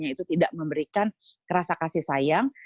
yaitu tidak memberikan rasa kasih sayang